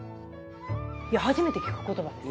いや初めて聞く言葉です。